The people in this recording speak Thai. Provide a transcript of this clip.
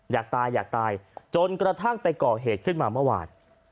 อยากตายอยากตายจนกระทั่งไปก่อเหตุขึ้นมาเมื่อวาน